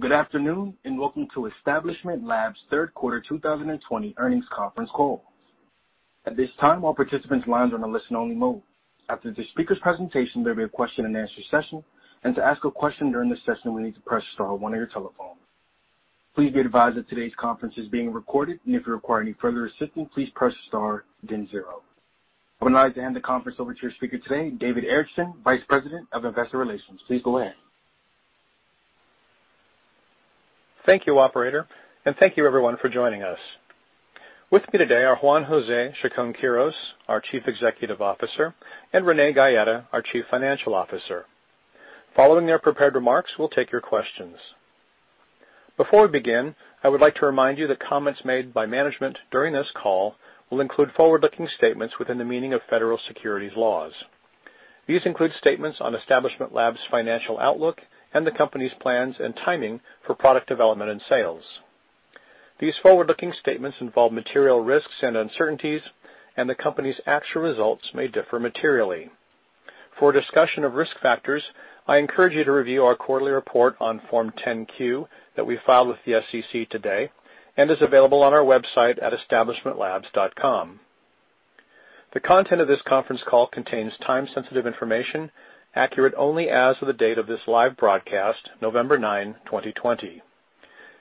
Good afternoon, welcome to Establishment Labs' third quarter 2020 earnings conference call. I would now like to hand the conference over to your speaker today, David Erickson, Vice President of Investor Relations. Please go ahead. Thank you, operator, and thank you everyone for joining us. With me today are Juan José Chacón-Quirós, our Chief Executive Officer, and Renee Gaeta, our Chief Financial Officer. Following their prepared remarks, we'll take your questions. Before we begin, I would like to remind you that comments made by management during this call will include forward-looking statements within the meaning of federal securities laws. These include statements on Establishment Labs' financial outlook and the company's plans and timing for product development and sales. These forward-looking statements involve material risks and uncertainties, and the company's actual results may differ materially. For a discussion of risk factors, I encourage you to review our quarterly report on Form 10-Q that we filed with the SEC today and is available on our website at establishmentlabs.com. The content of this conference call contains time-sensitive information, accurate only as of the date of this live broadcast, November 9, 2020.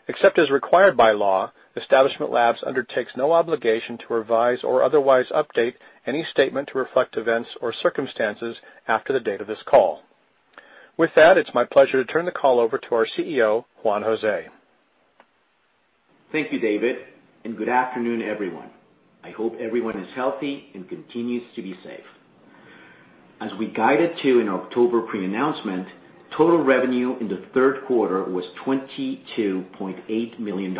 Except as required by law, Establishment Labs undertakes no obligation to revise or otherwise update any statement to reflect events or circumstances after the date of this call. With that, it's my pleasure to turn the call over to our CEO, Juan José. Thank you, David, and good afternoon, everyone. I hope everyone is healthy and continues to be safe. As we guided to in October pre-announcement, total revenue in the third quarter was $22.8 million,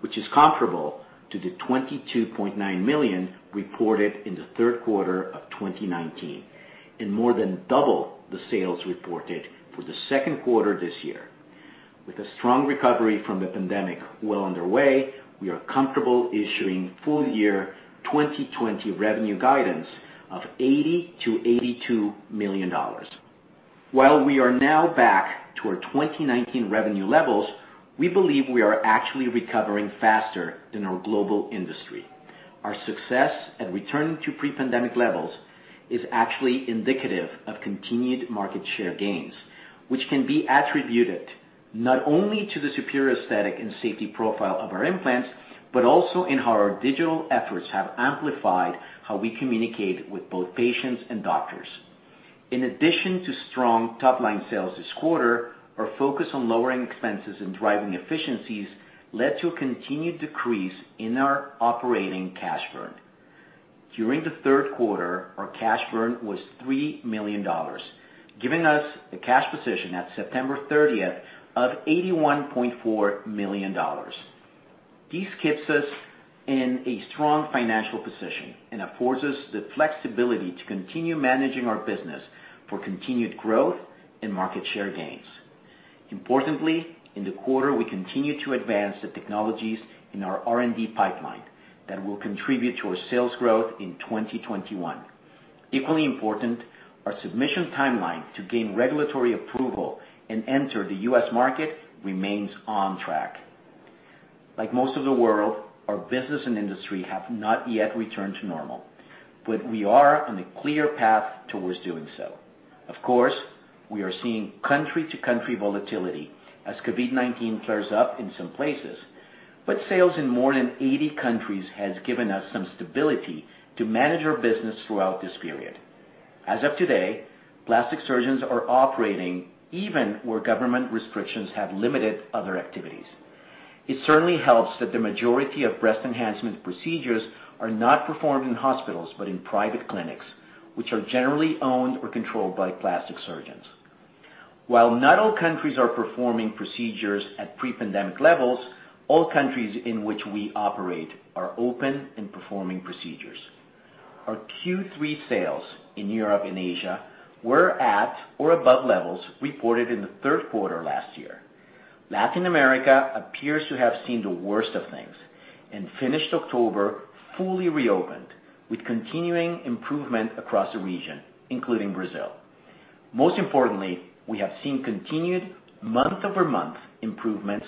which is comparable to the $22.9 million reported in the third quarter of 2019 and more than double the sales reported for the second quarter this year. With a strong recovery from the pandemic well underway, we are comfortable issuing full year 2020 revenue guidance of $80 million-$82 million. While we are now back to our 2019 revenue levels, we believe we are actually recovering faster than our global industry. Our success at returning to pre-pandemic levels is actually indicative of continued market share gains, which can be attributed not only to the superior aesthetic and safety profile of our implants, but also in how our digital efforts have amplified how we communicate with both patients and doctors. In addition to strong top-line sales this quarter, our focus on lowering expenses and driving efficiencies led to a continued decrease in our operating cash burn. During the third quarter, our cash burn was $3 million, giving us a cash position at September 30th of $81.4 million. This keeps us in a strong financial position and affords us the flexibility to continue managing our business for continued growth and market share gains. Importantly, in the quarter, we continued to advance the technologies in our R&D pipeline that will contribute to our sales growth in 2021. Equally important, our submission timeline to gain regulatory approval and enter the U.S. market remains on track. Like most of the world, our business and industry have not yet returned to normal, but we are on a clear path towards doing so. Of course, we are seeing country-to-country volatility as COVID-19 flares up in some places, but sales in more than 80 countries has given us some stability to manage our business throughout this period. As of today, plastic surgeons are operating even where government restrictions have limited other activities. It certainly helps that the majority of breast enhancement procedures are not performed in hospitals but in private clinics, which are generally owned or controlled by plastic surgeons. While not all countries are performing procedures at pre-pandemic levels, all countries in which we operate are open and performing procedures. Our Q3 sales in Europe and Asia were at or above levels reported in the third quarter last year. Latin America appears to have seen the worst of things and finished October fully reopened, with continuing improvement across the region, including Brazil. Most importantly, we have seen continued month-over-month improvements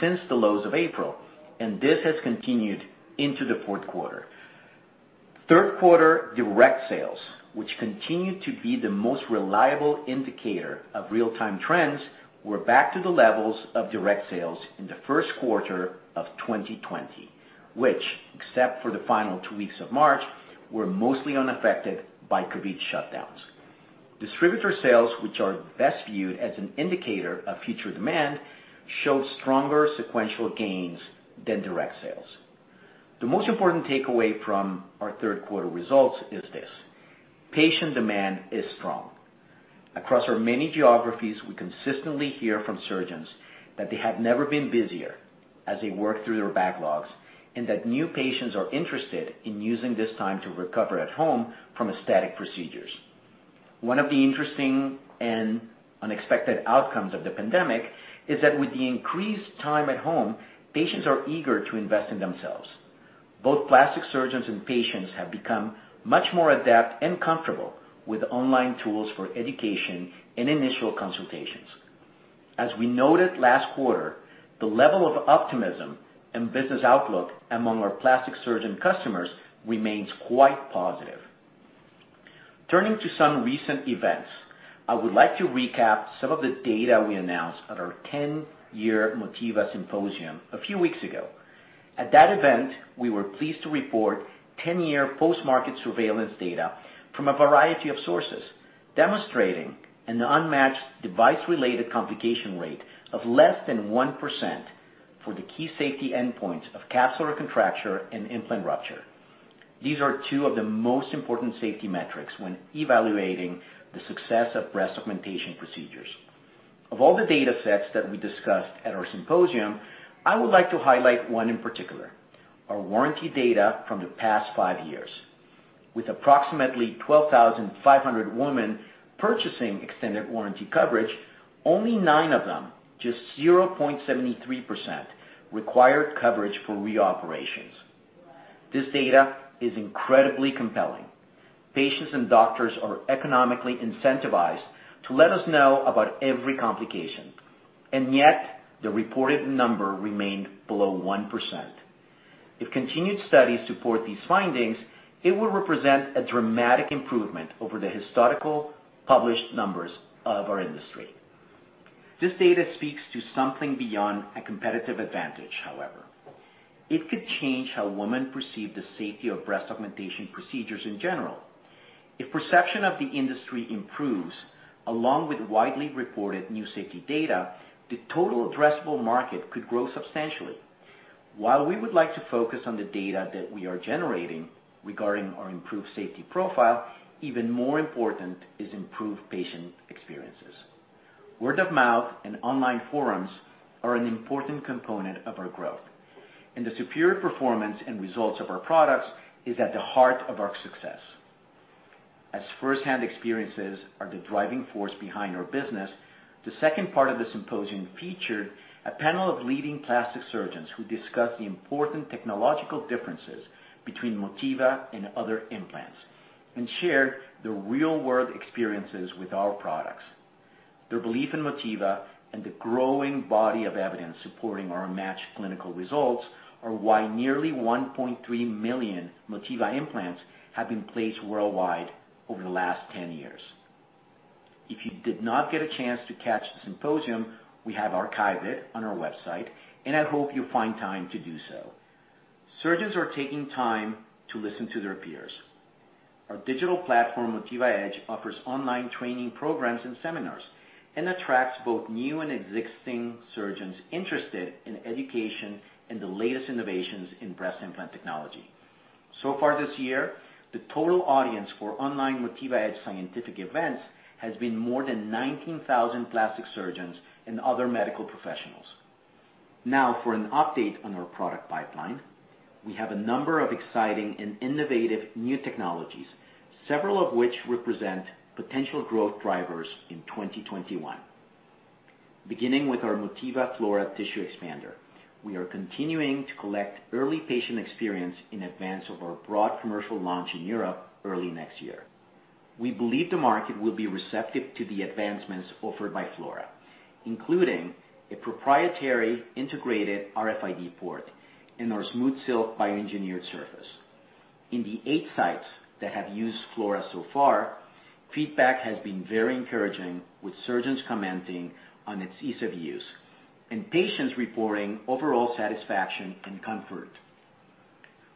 since the lows of April, and this has continued into the fourth quarter. Third quarter direct sales, which continue to be the most reliable indicator of real-time trends, were back to the levels of direct sales in the first quarter of 2020, which, except for the final two weeks of March, were mostly unaffected by COVID shutdowns. Distributor sales, which are best viewed as an indicator of future demand, showed stronger sequential gains than direct sales. The most important takeaway from our third quarter results is this: patient demand is strong. Across our many geographies, we consistently hear from surgeons that they have never been busier as they work through their backlogs and that new patients are interested in using this time to recover at home from aesthetic procedures. One of the interesting and unexpected outcomes of the pandemic is that with the increased time at home, patients are eager to invest in themselves. Both plastic surgeons and patients have become much more adept and comfortable with online tools for education and initial consultations. As we noted last quarter, the level of optimism and business outlook among our plastic surgeon customers remains quite positive. Turning to some recent events, I would like to recap some of the data we announced at our 10-year Motiva Symposium a few weeks ago. At that event, we were pleased to report 10-year post-market surveillance data from a variety of sources, demonstrating an unmatched device-related complication rate of less than 1% for the key safety endpoints of capsular contracture and implant rupture. These are two of the most important safety metrics when evaluating the success of breast augmentation procedures. Of all the data sets that we discussed at our symposium, I would like to highlight one in particular, our warranty data from the past five years. With approximately 12,500 women purchasing extended warranty coverage, only nine of them, just 0.73%, required coverage for reoperations. This data is incredibly compelling. Patients and doctors are economically incentivized to let us know about every complication, and yet the reported number remained below 1%. If continued studies support these findings, it will represent a dramatic improvement over the historical published numbers of our industry. This data speaks to something beyond a competitive advantage, however. It could change how women perceive the safety of breast augmentation procedures in general. If perception of the industry improves, along with widely reported new safety data, the total addressable market could grow substantially. While we would like to focus on the data that we are generating regarding our improved safety profile, even more important is improved patient experiences. Word of mouth and online forums are an important component of our growth, and the superior performance and results of our products is at the heart of our success. As firsthand experiences are the driving force behind our business, the second part of the symposium featured a panel of leading plastic surgeons who discussed the important technological differences between Motiva and other implants and shared their real-world experiences with our products. Their belief in Motiva and the growing body of evidence supporting our matched clinical results are why nearly 1.3 million Motiva implants have been placed worldwide over the last 10 years. If you did not get a chance to catch the symposium, we have archived it on our website, and I hope you find time to do so. Surgeons are taking time to listen to their peers. Our digital platform, Motiva Edge, offers online training programs and seminars and attracts both new and existing surgeons interested in education and the latest innovations in breast implant technology. Far this year, the total audience for online Motiva Edge scientific events has been more than 19,000 plastic surgeons and other medical professionals. For an update on our product pipeline. We have a number of exciting and innovative new technologies, several of which represent potential growth drivers in 2021. Beginning with our Motiva Flora tissue expander, we are continuing to collect early patient experience in advance of our broad commercial launch in Europe early next year. We believe the market will be receptive to the advancements offered by Flora, including a proprietary integrated RFID port and our SmoothSilk bioengineered surface. In the eight sites that have used Flora so far, feedback has been very encouraging, with surgeons commenting on its ease of use and patients reporting overall satisfaction and comfort.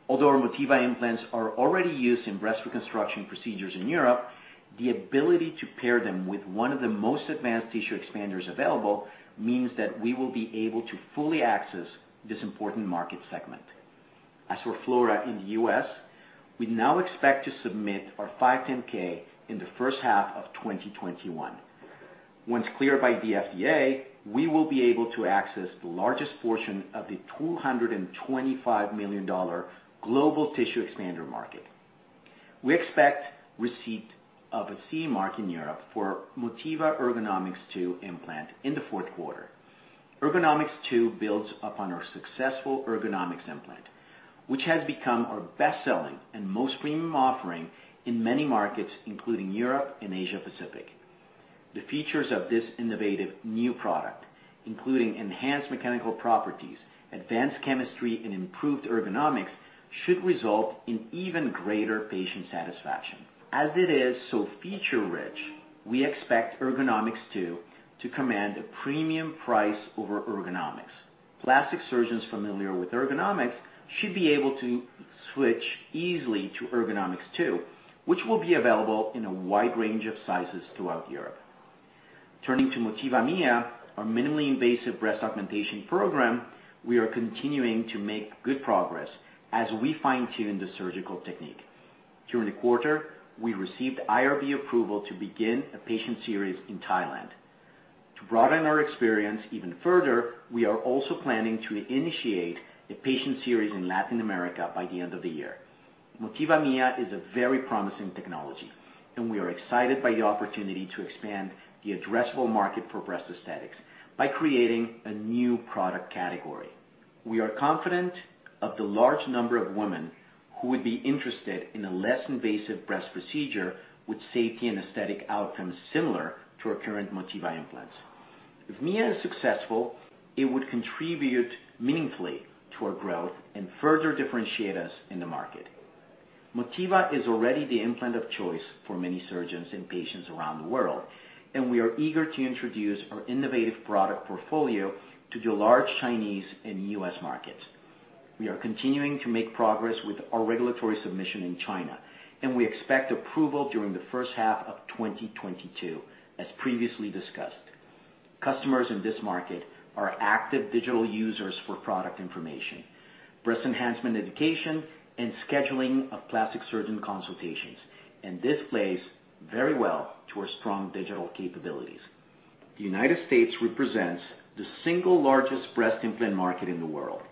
Although our Motiva implants are already used in breast reconstruction procedures in Europe, the ability to pair them with one of the most advanced tissue expanders available means that we will be able to fully access this important market segment. As for Flora in the U.S., we now expect to submit our 510(k) in the first half of 2021. Once cleared by the FDA, we will be able to access the largest portion of the $225 million global tissue expander market. We expect receipt of a CE mark in Europe for Motiva Ergonomix2 implant in the fourth quarter. Ergonomix2 builds upon our successful Ergonomix implant, which has become our best-selling and most premium offering in many markets, including Europe and Asia Pacific. The features of this innovative new product, including enhanced mechanical properties, advanced chemistry, and improved ergonomics, should result in even greater patient satisfaction. As it is so feature-rich, we expect Ergonomix2 to command a premium price over Ergonomix. Plastic surgeons familiar with Ergonomix should be able to switch easily to Ergonomix2, which will be available in a wide range of sizes throughout Europe. Turning to Motiva Mia, our minimally invasive breast augmentation program, we are continuing to make good progress as we fine-tune the surgical technique. During the quarter, we received IRB approval to begin a patient series in Thailand. To broaden our experience even further, we are also planning to initiate a patient series in Latin America by the end of the year. Motiva Mia is a very promising technology, and we are excited by the opportunity to expand the addressable market for breast aesthetics by creating a new product category. We are confident of the large number of women who would be interested in a less invasive breast procedure with safety and aesthetic outcomes similar to our current Motiva implants. If Mia is successful, it would contribute meaningfully to our growth and further differentiate us in the market. Motiva is already the implant of choice for many surgeons and patients around the world, and we are eager to introduce our innovative product portfolio to the large Chinese and U.S. markets. We are continuing to make progress with our regulatory submission in China, and we expect approval during the first half of 2022, as previously discussed. Customers in this market are active digital users for product information, breast enhancement education, and scheduling of plastic surgeon consultations, and this plays very well to our strong digital capabilities. The United States represents the single largest breast implant market in the world,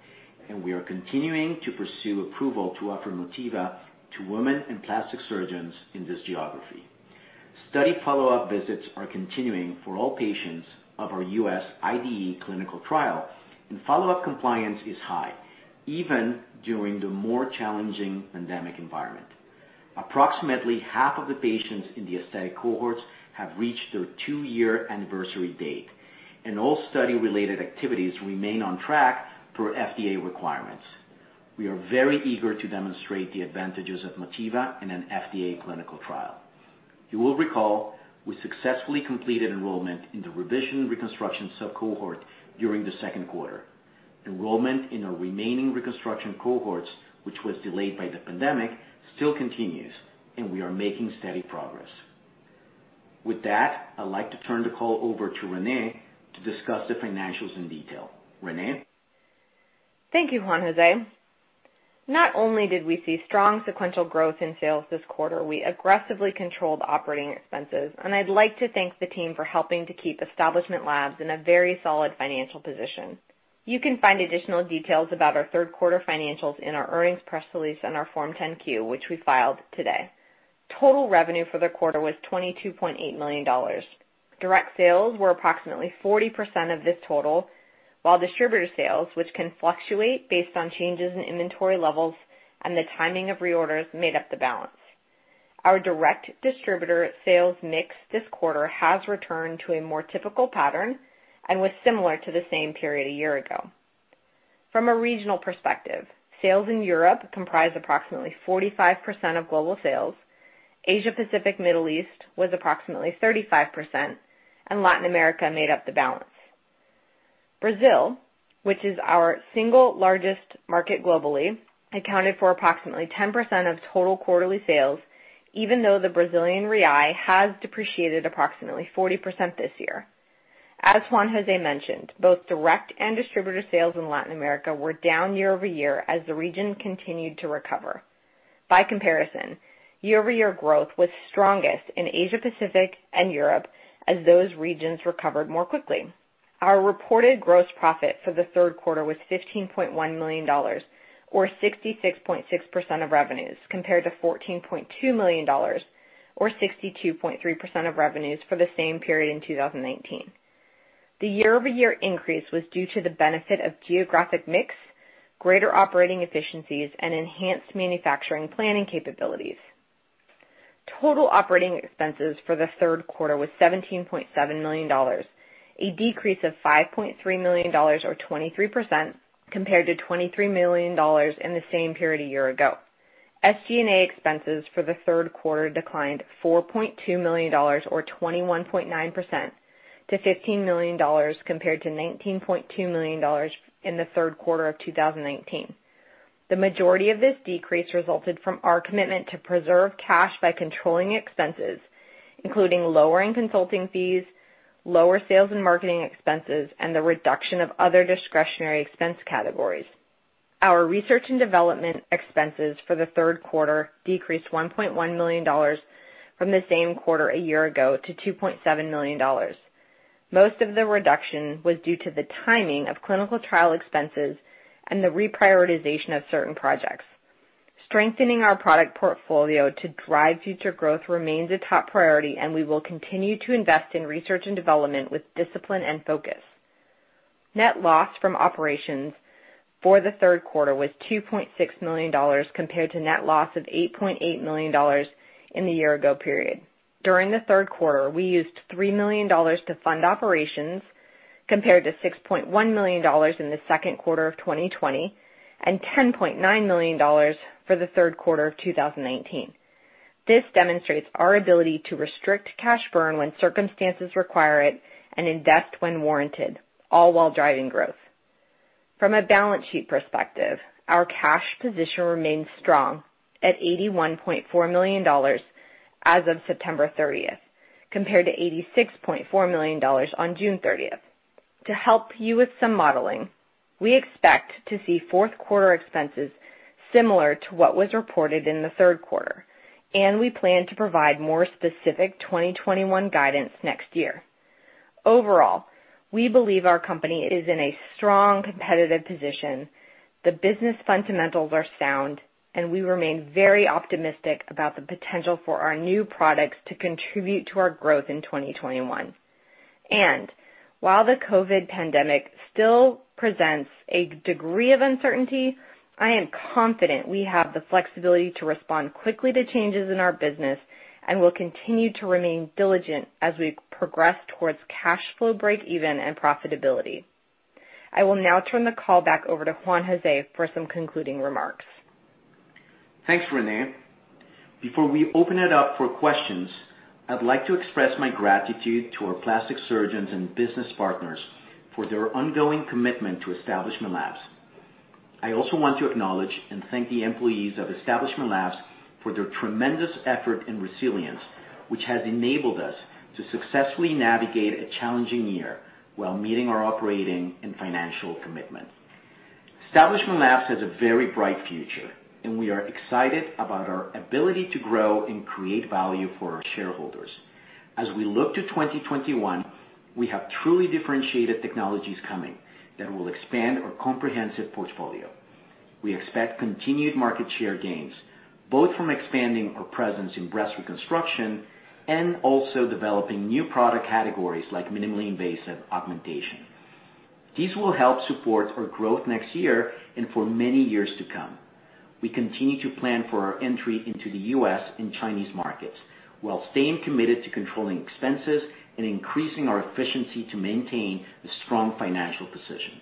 and we are continuing to pursue approval to offer Motiva to women and plastic surgeons in this geography. Study follow-up visits are continuing for all patients of our U.S. IDE clinical trial, and follow-up compliance is high even during the more challenging pandemic environment. Approximately half of the patients in the aesthetic cohorts have reached their two-year anniversary date, and all study-related activities remain on track per FDA requirements. We are very eager to demonstrate the advantages of Motiva in an FDA clinical trial. You will recall we successfully completed enrollment in the revision reconstruction sub-cohort during the second quarter. Enrollment in our remaining reconstruction cohorts, which was delayed by the pandemic, still continues, and we are making steady progress. With that, I'd like to turn the call over to Renee to discuss the financials in detail. Renee? Thank you, Juan José. Not only did we see strong sequential growth in sales this quarter, we aggressively controlled operating expenses, and I'd like to thank the team for helping to keep Establishment Labs in a very solid financial position. You can find additional details about our third quarter financials in our earnings press release and our Form 10-Q, which we filed today. Total revenue for the quarter was $22.8 million. Direct sales were approximately 40% of this total, while distributor sales, which can fluctuate based on changes in inventory levels and the timing of reorders, made up the balance. Our direct distributor sales mix this quarter has returned to a more typical pattern and was similar to the same period a year ago. From a regional perspective, sales in Europe comprised approximately 45% of global sales, Asia-Pacific Middle East was approximately 35%, and Latin America made up the balance. Brazil, which is our single largest market globally, accounted for approximately 10% of total quarterly sales, even though the Brazilian real has depreciated approximately 40% this year. As Juan José mentioned, both direct and distributor sales in Latin America were down year-over-year as the region continued to recover. By comparison, year-over-year growth was strongest in Asia-Pacific and Europe as those regions recovered more quickly. Our reported gross profit for the third quarter was $15.1 million, or 66.6% of revenues, compared to $14.2 million, or 62.3% of revenues for the same period in 2019. The year-over-year increase was due to the benefit of geographic mix, greater operating efficiencies, and enhanced manufacturing planning capabilities. Total operating expenses for the third quarter was $17.7 million, a decrease of $5.3 million, or 23%, compared to $23 million in the same period a year ago. SG&A expenses for the third quarter declined $4.2 million, or 21.9%, to $15 million, compared to $19.2 million in the third quarter of 2019. The majority of this decrease resulted from our commitment to preserve cash by controlling expenses, including lowering consulting fees, lower sales and marketing expenses, and the reduction of other discretionary expense categories. Our research and development expenses for the third quarter decreased $1.1 million from the same quarter a year ago to $2.7 million. Most of the reduction was due to the timing of clinical trial expenses and the reprioritization of certain projects. Strengthening our product portfolio to drive future growth remains a top priority, and we will continue to invest in research and development with discipline and focus. Net loss from operations for the third quarter was $2.6 million compared to net loss of $8.8 million in the year ago period. During the third quarter, we used $3 million to fund operations, compared to $6.1 million in the second quarter of 2020 and $10.9 million for the third quarter of 2019. This demonstrates our ability to restrict cash burn when circumstances require it and invest when warranted, all while driving growth. From a balance sheet perspective, our cash position remains strong at $81.4 million as of September 30th, compared to $86.4 million on June 30th. To help you with some modeling, we expect to see fourth quarter expenses similar to what was reported in the third quarter, and we plan to provide more specific 2021 guidance next year. Overall, we believe our company is in a strong competitive position. The business fundamentals are sound, and we remain very optimistic about the potential for our new products to contribute to our growth in 2021. While the COVID pandemic still presents a degree of uncertainty, I am confident we have the flexibility to respond quickly to changes in our business, and will continue to remain diligent as we progress towards cash flow break even and profitability. I will now turn the call back over to Juan José for some concluding remarks. Thanks, Renee. Before we open it up for questions, I'd like to express my gratitude to our plastic surgeons and business partners for their ongoing commitment to Establishment Labs. I also want to acknowledge and thank the employees of Establishment Labs for their tremendous effort and resilience, which has enabled us to successfully navigate a challenging year while meeting our operating and financial commitments. Establishment Labs has a very bright future. We are excited about our ability to grow and create value for our shareholders. As we look to 2021, we have truly differentiated technologies coming that will expand our comprehensive portfolio. We expect continued market share gains, both from expanding our presence in breast reconstruction and also developing new product categories like minimally invasive augmentation. These will help support our growth next year and for many years to come. We continue to plan for our entry into the U.S. and Chinese markets while staying committed to controlling expenses and increasing our efficiency to maintain a strong financial position.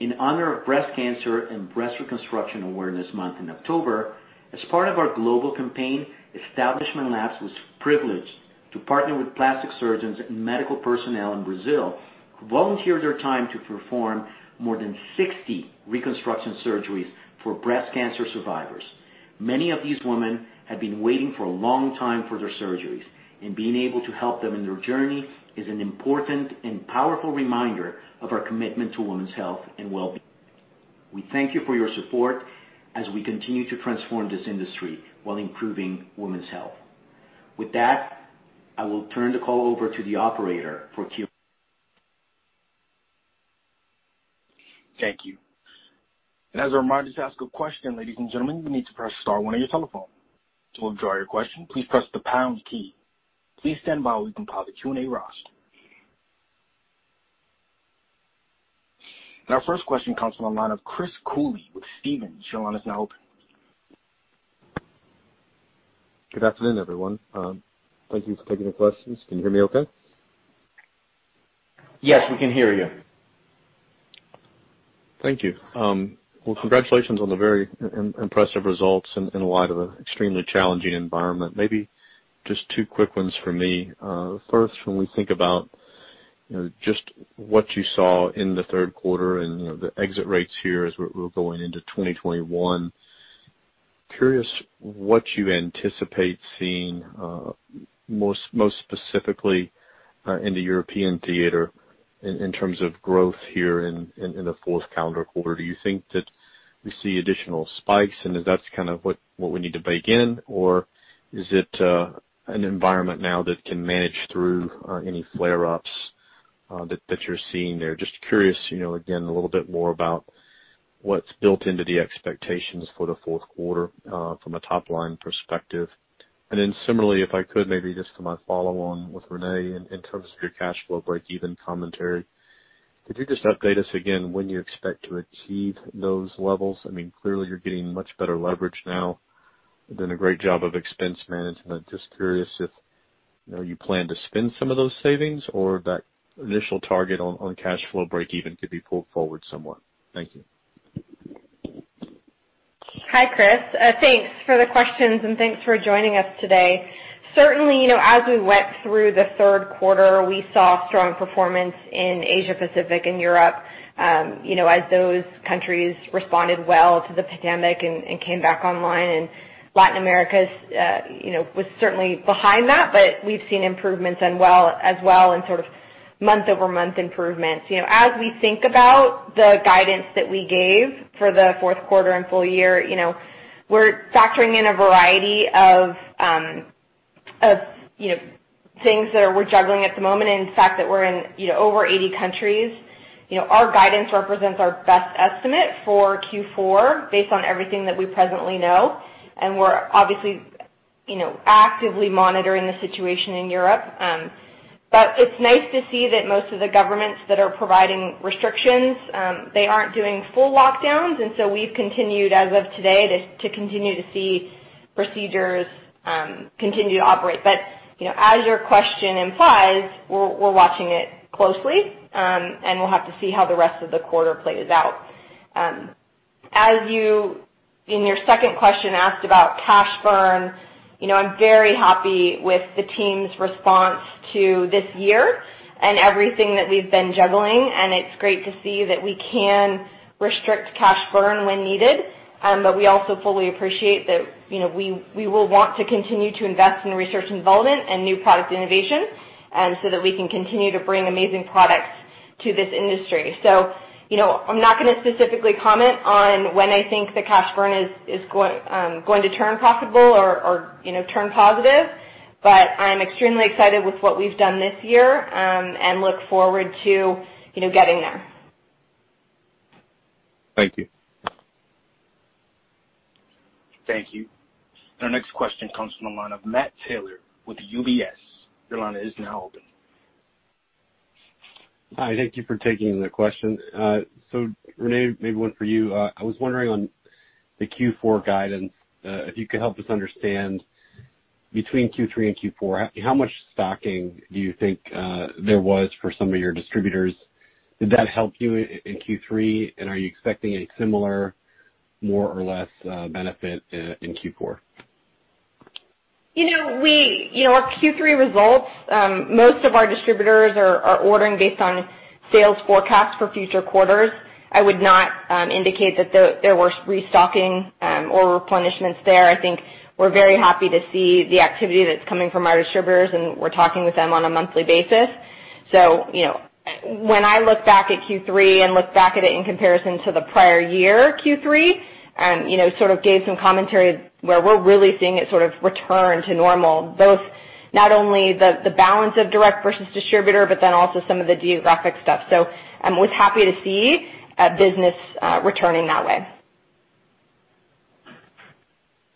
In honor of Breast Cancer and Breast Reconstruction Awareness Month in October, as part of our global campaign, Establishment Labs was privileged to partner with plastic surgeons and medical personnel in Brazil, who volunteered their time to perform more than 60 reconstruction surgeries for breast cancer survivors. Many of these women had been waiting for a long time for their surgeries, being able to help them in their journey is an important and powerful reminder of our commitment to women's health and wellbeing. We thank you for your support as we continue to transform this industry while improving women's health. With that, I will turn the call over to the operator for Q&A. Thank you. As a reminder, to ask a question, ladies and gentlemen, you need to press star one on your telephone. To withdraw your question, please press the pound key. Please stand by while we compile the Q&A roster. Our first question comes from the line of Chris Cooley with Stephens. Your line is now open. Good afternoon, everyone. Thank you for taking the questions. Can you hear me okay? Yes, we can hear you. Thank you. Well, congratulations on the very impressive results in light of an extremely challenging environment. Maybe just two quick ones for me. First, when we think about just what you saw in the third quarter and the exit rates here as we're going into 2021, curious what you anticipate seeing, most specifically in the European theater in terms of growth here in the fourth calendar quarter. Do you think that we see additional spikes, and that's what we need to bake in, or is it an environment now that can manage through any flare-ups that you're seeing there? Just curious, again, a little bit more about what's built into the expectations for the fourth quarter from a top-line perspective. Similarly, if I could maybe just for my follow on with Renee, in terms of your cash flow breakeven commentary, could you just update us again when you expect to achieve those levels? Clearly you're getting much better leverage now. You've done a great job of expense management. Just curious if you plan to spend some of those savings or that initial target on cash flow breakeven could be pulled forward somewhat. Thank you. Hi, Chris. Thanks for the questions and thanks for joining us today. Certainly, as we went through the third quarter, we saw strong performance in Asia Pacific and Europe as those countries responded well to the pandemic and came back online. Latin America was certainly behind that, but we've seen improvements as well and sort of month-over-month improvements. As we think about the guidance that we gave for the fourth quarter and full year, we're factoring in a variety of things that we're juggling at the moment. The fact that we're in over 80 countries, our guidance represents our best estimate for Q4 based on everything that we presently know, and we're obviously actively monitoring the situation in Europe. It's nice to see that most of the governments that are providing restrictions, they aren't doing full lockdowns, so we've continued as of today to see procedures continue to operate. As your question implies, we're watching it closely, we'll have to see how the rest of the quarter plays out. As you in your second question asked about cash burn, I'm very happy with the team's response to this year and everything that we've been juggling, it's great to see that we can restrict cash burn when needed. We also fully appreciate that we will want to continue to invest in research and development and new product innovation so that we can continue to bring amazing products to this industry. I'm not going to specifically comment on when I think the cash burn is going to turn profitable or turn positive, but I'm extremely excited with what we've done this year and look forward to getting there. Thank you. Thank you. Our next question comes from the line of Matt Taylor with UBS. Your line is now open. Hi. Thank you for taking the question. Renee, maybe one for you. I was wondering on the Q4 guidance, if you could help us understand between Q3 and Q4, how much stocking do you think there was for some of your distributors? Did that help you in Q3, and are you expecting a similar more or less benefit in Q4? Our Q3 results, most of our distributors are ordering based on sales forecast for future quarters. I would not indicate that there was restocking or replenishments there. I think we're very happy to see the activity that's coming from our distributors, and we're talking with them on a monthly basis. When I look back at Q3 and look back at it in comparison to the prior year, Q3, sort of gave some commentary where we're really seeing it sort of return to normal, both not only the balance of direct versus distributor, but then also some of the geographic stuff. I'm always happy to see business returning that way.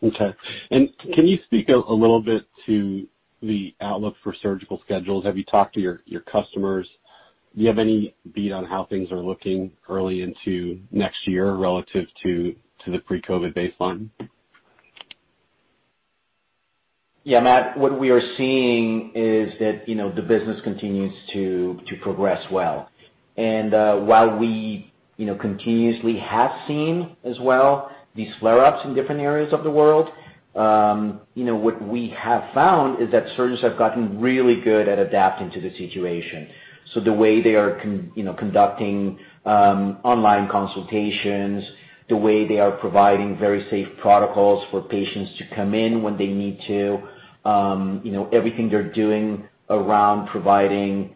Okay. Can you speak a little bit to the outlook for surgical schedules? Have you talked to your customers? Do you have any bead on how things are looking early into next year relative to the pre-COVID baseline? Yeah, Matt, what we are seeing is that the business continues to progress well. While we continuously have seen as well these flare-ups in different areas of the world, what we have found is that surgeons have gotten really good at adapting to the situation. The way they are conducting online consultations, the way they are providing very safe protocols for patients to come in when they need to. Everything they're doing around providing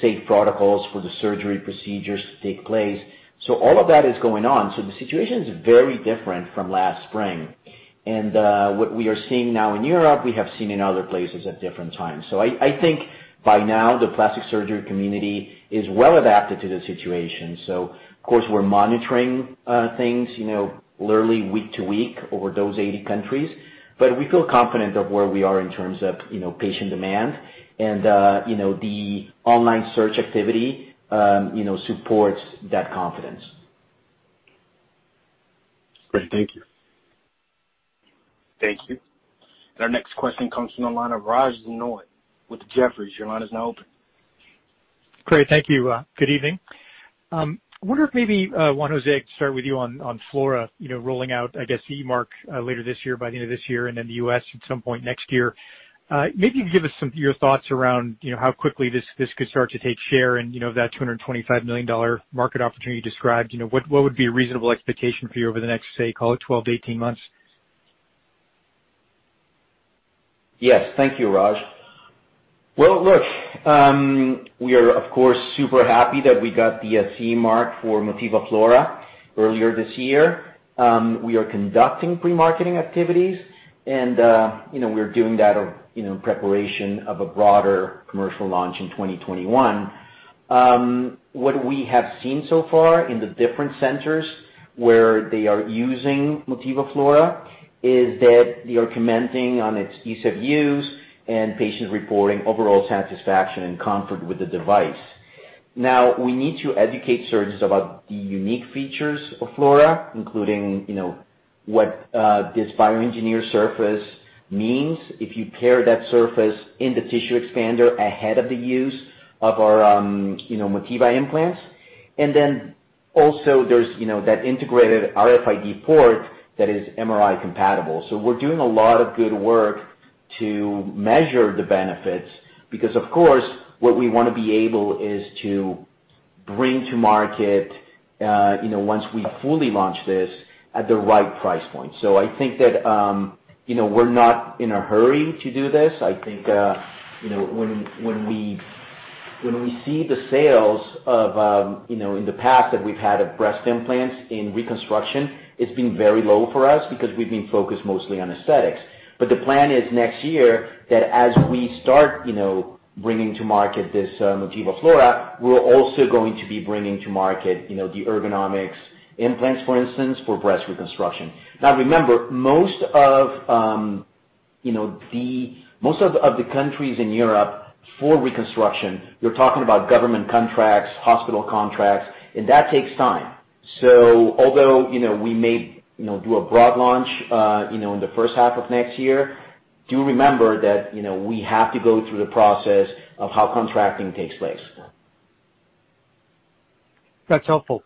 safe protocols for the surgery procedures to take place. All of that is going on. The situation is very different from last spring. What we are seeing now in Europe, we have seen in other places at different times. I think by now, the plastic surgery community is well adapted to the situation. Of course, we're monitoring things literally week to week over those 80 countries. We feel confident of where we are in terms of patient demand and the online search activity supports that confidence. Great. Thank you. Thank you. Our next question comes from the line of Raj Denhoy with Jefferies. Your line is now open. Great. Thank you. Good evening. I wonder if maybe, Juan José, to start with you on Flora rolling out, I guess, the CE mark later this year, by the end of this year, and then the U.S. at some point next year. Maybe you could give us your thoughts around how quickly this could start to take share and that $225 million market opportunity described. What would be a reasonable expectation for you over the next, say, call it 12 to 18 months? Yes. Thank you, Raj. Well, look, we are, of course, super happy that we got the CE mark for Motiva Flora earlier this year. We are conducting pre-marketing activities. We're doing that in preparation of a broader commercial launch in 2021. What we have seen so far in the different centers where they are using Motiva Flora is that they are commenting on its ease of use and patients reporting overall satisfaction and comfort with the device. Now, we need to educate surgeons about the unique features of Flora, including what this bioengineered surface means if you pair that surface in the tissue expander ahead of the use of our Motiva implants. Then also there's that integrated RFID port that is MRI compatible. We're doing a lot of good work to measure the benefits because of course, what we want to be able is to bring to market once we fully launch this at the right price point. I think that we're not in a hurry to do this. I think when we see the sales in the past that we've had of breast implants in reconstruction, it's been very low for us because we've been focused mostly on aesthetics. The plan is next year that as we start bringing to market this Motiva Flora, we're also going to be bringing to market the Ergonomix implants, for instance, for breast reconstruction. Now remember, most of the countries in Europe for reconstruction, you're talking about government contracts, hospital contracts, and that takes time. Although we may do a broad launch in the first half of next year, do remember that we have to go through the process of how contracting takes place. That's helpful.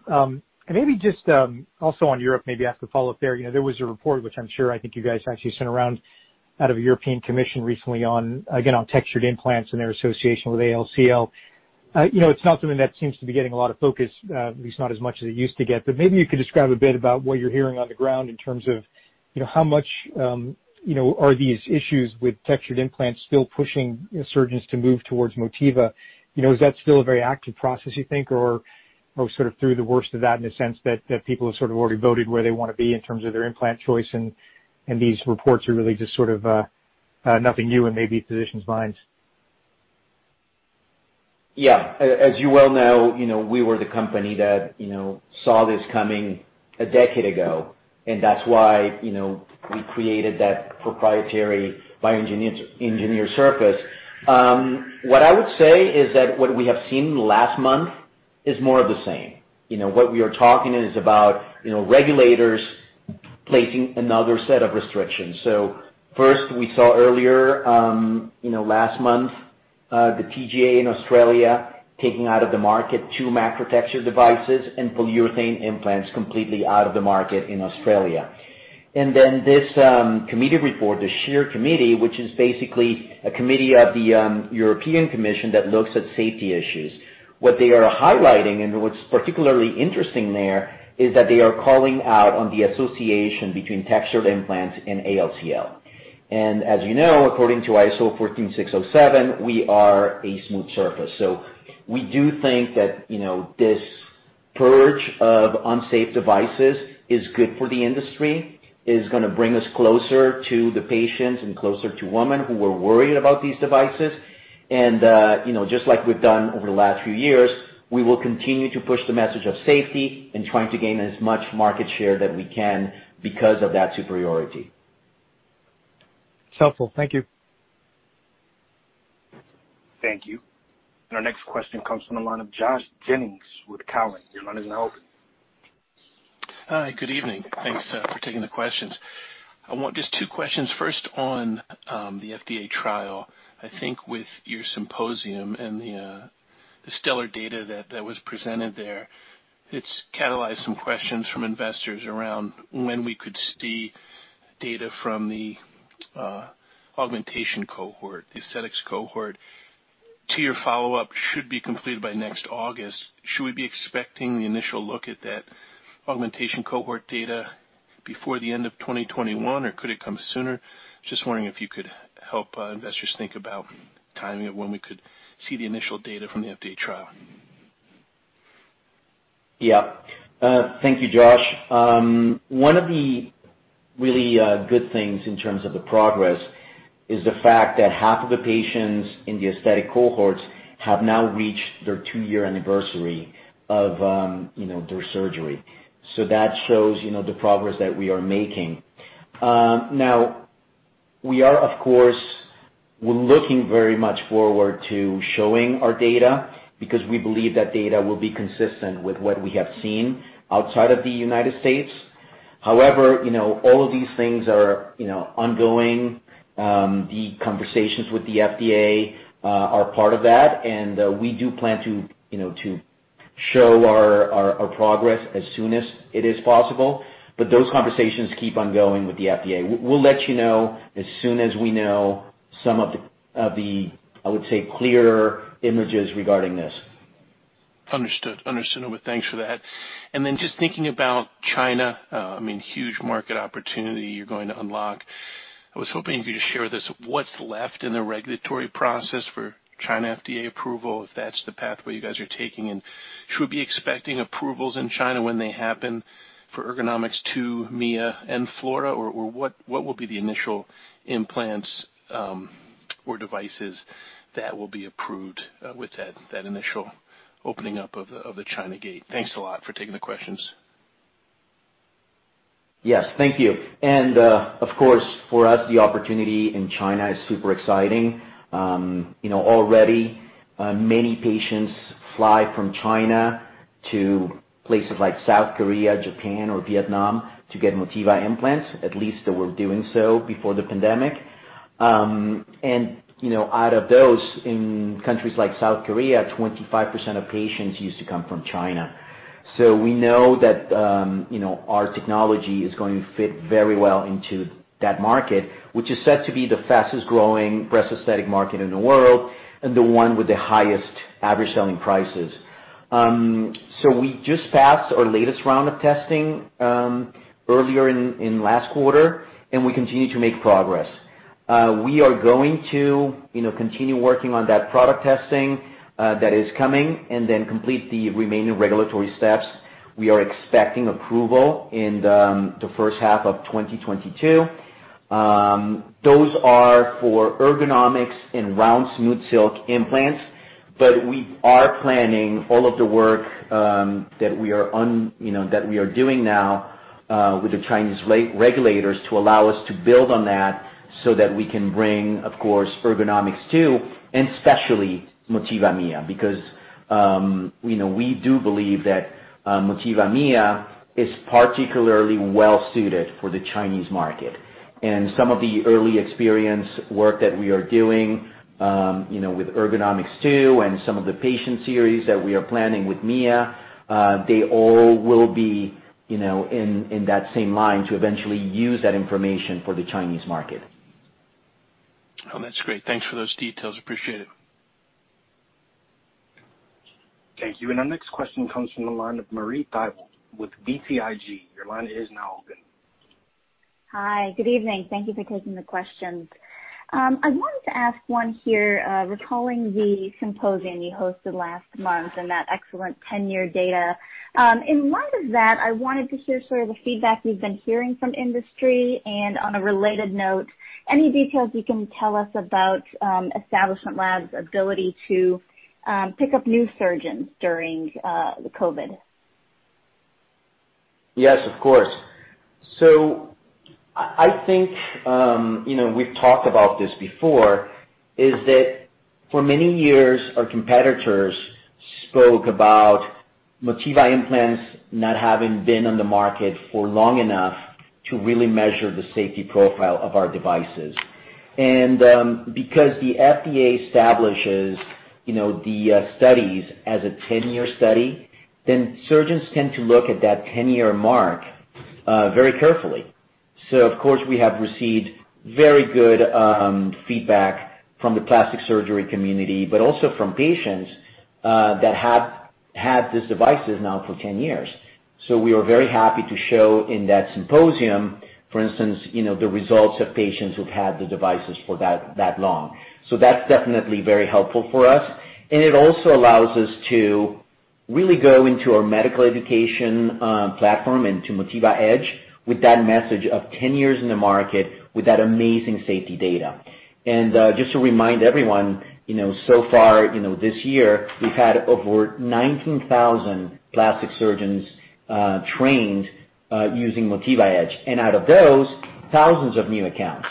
Maybe just also on Europe, maybe I have to follow up there. There was a report which I'm sure I think you guys actually sent around out of a European Commission recently on, again, on textured implants and their association with ALCL. It's not something that seems to be getting a lot of focus, at least not as much as it used to get. Maybe you could describe a bit about what you're hearing on the ground in terms of how much are these issues with textured implants still pushing surgeons to move towards Motiva? Is that still a very active process, you think? Sort of through the worst of that in the sense that people have sort of already voted where they want to be in terms of their implant choice, and these reports are really just sort of nothing new in maybe physicians' minds? Yeah. As you well know, we were the company that saw this coming a decade ago, and that's why we created that proprietary bioengineered surface. What I would say is that what we have seen last month is more of the same. What we are talking is about regulators placing another set of restrictions. First, we saw earlier, last month, the TGA in Australia taking out of the market two macrotextured devices and polyurethane implants completely out of the market in Australia. Then this committee report, the SCHEER Committee, which is basically a committee of the European Commission that looks at safety issues. What they are highlighting, and what's particularly interesting there, is that they are calling out on the association between textured implants and ALCL. As you know, according to ISO 14607, we are a smooth surface. We do think that this purge of unsafe devices is good for the industry, is going to bring us closer to the patients and closer to women who were worried about these devices. Just like we've done over the last few years, we will continue to push the message of safety and trying to gain as much market share that we can because of that superiority. It's helpful. Thank you. Thank you. Our next question comes from the line of Josh Jennings with Cowen. Your line is now open. Hi, good evening. Thanks for taking the questions. I want just two questions. First on the FDA trial. I think with your symposium and the stellar data that was presented there, it's catalyzed some questions from investors around when we could see data from the augmentation cohort, the aesthetics cohort. 2-year follow-up should be completed by next August. Should we be expecting the initial look at that augmentation cohort data before the end of 2021, or could it come sooner? Just wondering if you could help investors think about timing of when we could see the initial data from the FDA trial. Yeah. Thank you, Josh. One of the really good things in terms of the progress is the fact that half of the patients in the aesthetic cohorts have now reached their two-year anniversary of their surgery. That shows the progress that we are making. We are, of course, looking very much forward to showing our data because we believe that data will be consistent with what we have seen outside of the United States. However, all of these things are ongoing. The conversations with the FDA are part of that, and we do plan to show our progress as soon as it is possible. Those conversations keep on going with the FDA. We'll let you know as soon as we know some of the, I would say, clearer images regarding this. Understood. Thanks for that. Then just thinking about China, I mean, huge market opportunity you're going to unlock. I was hoping you could share this, what's left in the regulatory process for China FDA approval, if that's the pathway you guys are taking, and should we be expecting approvals in China when they happen for Ergonomix2, Mia, and Flora, or what will be the initial implants or devices that will be approved with that initial opening up of the China gate? Thanks a lot for taking the questions. Yes. Thank you. Of course, for us, the opportunity in China is super exciting. Already, many patients fly from China to places like South Korea, Japan, or Vietnam to get Motiva implants. At least they were doing so before the pandemic. Out of those, in countries like South Korea, 25% of patients used to come from China. We know that our technology is going to fit very well into that market, which is said to be the fastest-growing breast aesthetic market in the world and the one with the highest average selling prices. We just passed our latest round of testing earlier in last quarter, and we continue to make progress. We are going to continue working on that product testing that is coming and then complete the remaining regulatory steps. We are expecting approval in the first half of 2022. Those are for Ergonomix and round, SmoothSilk implants. We are planning all of the work that we are doing now with the Chinese regulators to allow us to build on that so that we can bring, of course, Ergonomix2, and especially Motiva Mia, because we do believe that Motiva Mia is particularly well-suited for the Chinese market. Some of the early experience work that we are doing with Ergonomix2 and some of the patient series that we are planning with Mia, they all will be in that same line to eventually use that information for the Chinese market. Oh, that's great. Thanks for those details. Appreciate it. Thank you. Our next question comes from the line of Marie Thibault with BTIG. Your line is now open. Hi. Good evening. Thank you for taking the questions. I wanted to ask one here, recalling the symposium you hosted last month and that excellent 10-year data. In light of that, I wanted to hear sort of the feedback you've been hearing from industry and, on a related note, any details you can tell us about Establishment Labs ability to pick up new surgeons during the COVID. Yes, of course. I think, we've talked about this before, is that for many years our competitors spoke about Motiva implants not having been on the market for long enough to really measure the safety profile of our devices. Because the FDA establishes the studies as a 10-year study, surgeons tend to look at that 10-year mark very carefully. Of course, we have received very good feedback from the plastic surgery community, but also from patients that have had these devices now for 10 years. We are very happy to show in that symposium, for instance, the results of patients who've had the devices for that long. That's definitely very helpful for us. It also allows us to really go into our medical education platform into Motiva Edge with that message of 10 years in the market with that amazing safety data. Just to remind everyone, so far this year, we've had over 19,000 plastic surgeons trained using Motiva Edge. Out of those, thousands of new accounts.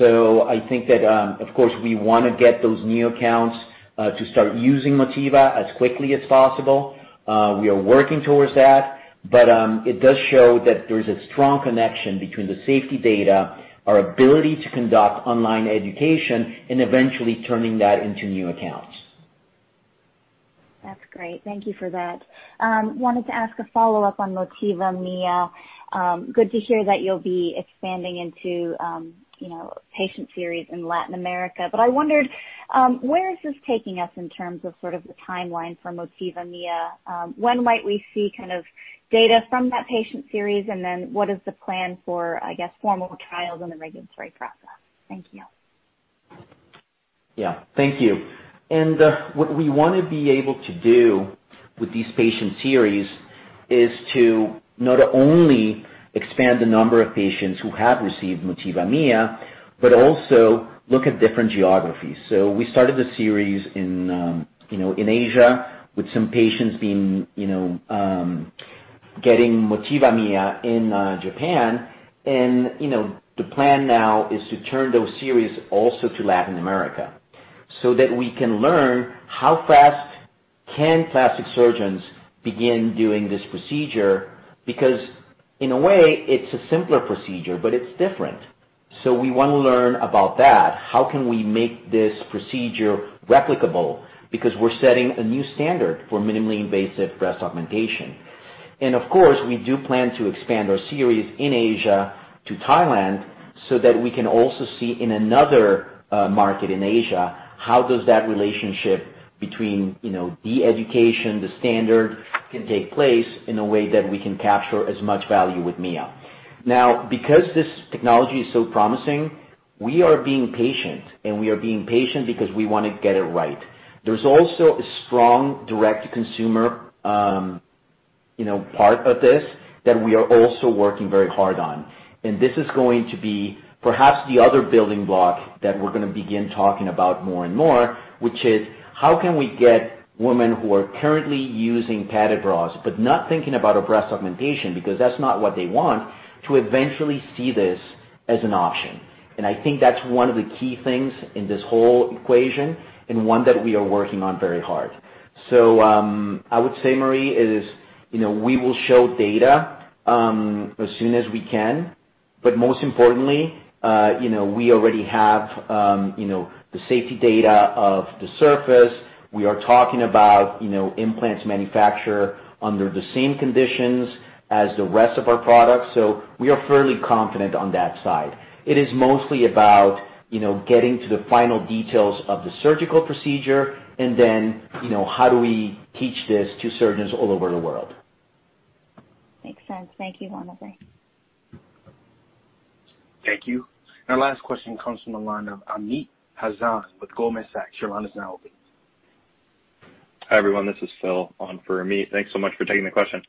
I think that, of course, we want to get those new accounts to start using Motiva as quickly as possible. We are working towards that. It does show that there's a strong connection between the safety data, our ability to conduct online education, and eventually turning that into new accounts. That's great. Thank you for that. Wanted to ask a follow-up on Motiva Mia. Good to hear that you'll be expanding into patient series in Latin America. I wondered, where is this taking us in terms of sort of the timeline for Motiva Mia? When might we see kind of data from that patient series? What is the plan for, I guess, formal trials and the regulatory process? Thank you. Yeah. Thank you. What we want to be able to do with these patient series is to not only expand the number of patients who have received Motiva Mia, but also look at different geographies. We started the series in Asia with some patients getting Motiva Mia in Japan. The plan now is to turn those series also to Latin America so that we can learn how fast can plastic surgeons begin doing this procedure. Because in a way, it's a simpler procedure, but it's different. We want to learn about that. How can we make this procedure replicable? Because we're setting a new standard for minimally invasive breast augmentation. Of course, we do plan to expand our series in Asia to Thailand so that we can also see in another market in Asia, how does that relationship between the education, the standard, can take place in a way that we can capture as much value with Mia. Because this technology is so promising, we are being patient, and we are being patient because we want to get it right. There's also a strong direct consumer part of this that we are also working very hard on. This is going to be perhaps the other building block that we're going to begin talking about more and more, which is how can we get women who are currently using padded bras, but not thinking about a breast augmentation because that's not what they want, to eventually see this as an option. I think that's one of the key things in this whole equation and one that we are working on very hard. I would say, Marie, is we will show data as soon as we can, but most importantly, we already have the safety data of the surface. We are talking about implants manufacture under the same conditions as the rest of our products, so we are fairly confident on that side. It is mostly about getting to the final details of the surgical procedure and then, how do we teach this to surgeons all over the world? Makes sense. Thank you, Juan José. Thank you. Our last question comes from the line of Amit Hazan with Goldman Sachs. Your line is now open. Hi, everyone. This is Phil on for Amit. Thanks so much for taking the question.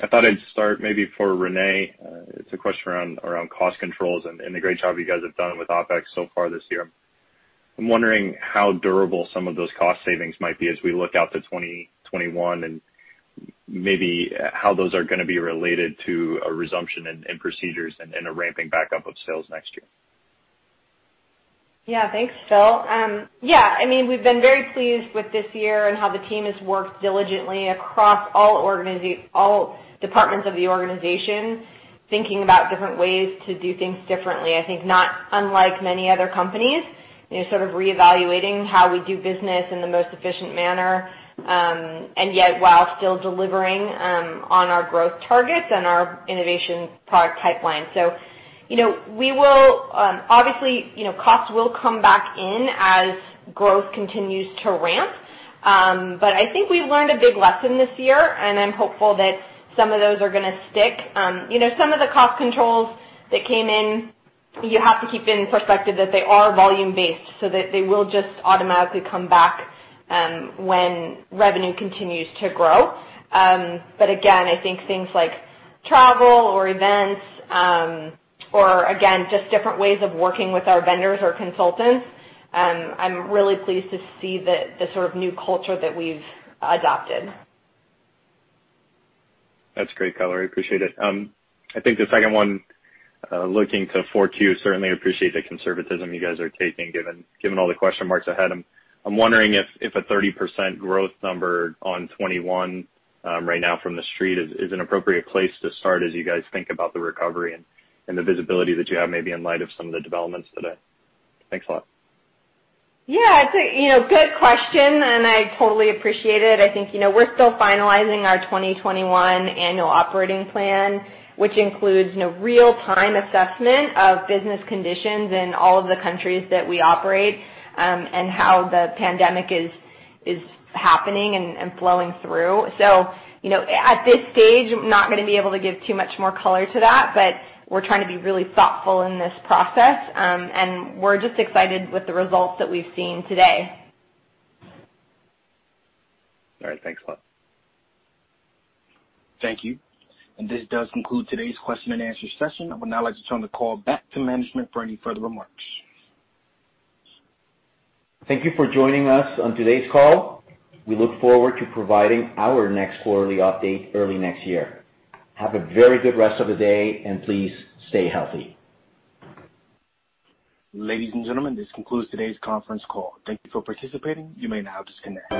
I thought I'd start maybe for Renee. It's a question around cost controls and the great job you guys have done with OpEx so far this year. I'm wondering how durable some of those cost savings might be as we look out to 2021 and maybe how those are going to be related to a resumption in procedures and a ramping back up of sales next year. Yeah. Thanks, Phil. Yeah. We've been very pleased with this year and how the team has worked diligently across all departments of the organization, thinking about different ways to do things differently. I think not unlike many other companies, sort of reevaluating how we do business in the most efficient manner, and yet while still delivering on our growth targets and our innovation product pipeline. Obviously, cost will come back in as growth continues to ramp. I think we learned a big lesson this year, and I'm hopeful that some of those are going to stick. Some of the cost controls that came in, you have to keep in perspective that they are volume-based, so that they will just automatically come back when revenue continues to grow. Again, I think things like travel or events, or again, just different ways of working with our vendors or consultants, I'm really pleased to see the sort of new culture that we've adopted. That's great color. I appreciate it. I think the second one, looking to 4Q, certainly appreciate the conservatism you guys are taking given all the question marks ahead. I'm wondering if a 30% growth number on 2021 right now from the Street is an appropriate place to start as you guys think about the recovery and the visibility that you have, maybe in light of some of the developments today. Thanks a lot. Yeah. Good question, and I totally appreciate it. I think we're still finalizing our 2021 annual operating plan, which includes real-time assessment of business conditions in all of the countries that we operate, and how the pandemic is happening and flowing through. At this stage, I'm not going to be able to give too much more color to that, but we're trying to be really thoughtful in this process. We're just excited with the results that we've seen today. All right. Thanks a lot. Thank you. This does conclude today's question-and-answer session. I would now like to turn the call back to management for any further remarks. Thank you for joining us on today's call. We look forward to providing our next quarterly update early next year. Have a very good rest of the day, and please stay healthy. Ladies and gentlemen, this concludes today's conference call. Thank you for participating. You may now disconnect.